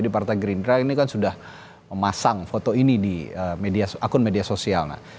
di partai gerindra ini kan sudah memasang foto ini di akun media sosial